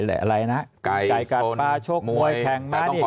อะไรนะฮะไก่กาลปลาชกมวยแข่งม้าเนี่ย